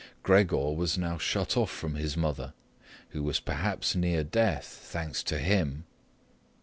Gregor was now shut off from his mother, who was perhaps near death, thanks to him.